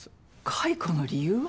解雇の理由は？